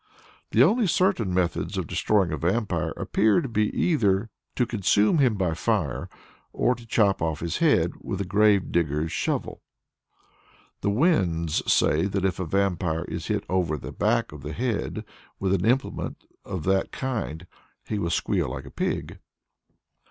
The only certain methods of destroying a vampire appear to be either to consume him by fire, or to chop off his head with a grave digger's shovel. The Wends say that if a vampire is hit over the back of the head with an implement of that kind, he will squeal like a pig.